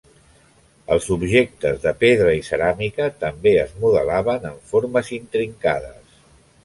Els objectes de pedra i ceràmica també es modelaven en formes intricades.